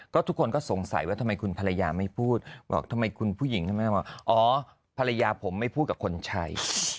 ก็ทุกคนก็สงสัยว่าทำไมคุณภรรยาไม่พูดบอกทำไมคุณผู้หญิงทำไมบอกอ๋อภรรยาผมไม่พูดกับคนใช้